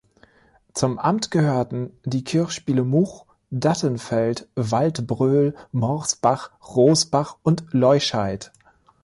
Zum Amt gehörten die Kirchspiele Much, Dattenfeld, Waldbröl, Morsbach, Rosbach und Leuscheid.